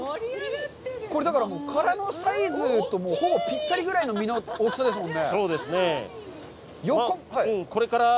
これ、だから、殻のサイズとほぼぴったりぐらいの身の大きさですもんね？